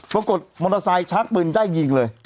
ปรากฏมอเตอร์ไซค์ชักปืนได้ยิงเลย